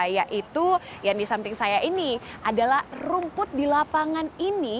yaitu yang di samping saya ini adalah rumput di lapangan ini